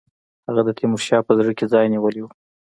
هغه د تیمورشاه په زړه کې ځای نیولی وو.